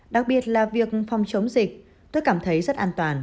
đặc biệt là việc phòng chống dịch tôi cảm thấy rất an toàn